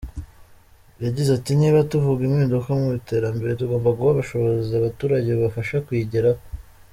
Yagize ati “Niba tuvuga impinduka mu iterambere, tugomba guha ubushobozi abaturage bubafasha kurigeraho.